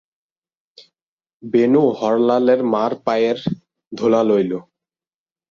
বেণু হরলালের মার পায়ের ধুলা লইল।